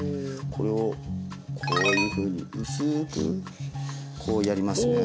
これをこういうふうに薄くこうやりますね。